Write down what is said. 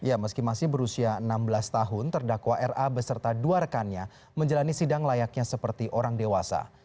ya meski masih berusia enam belas tahun terdakwa ra beserta dua rekannya menjalani sidang layaknya seperti orang dewasa